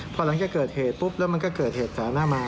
พอหลังจากเกิดเหตุปุ๊บแล้วมันก็เกิดเหตุต่อหน้ามา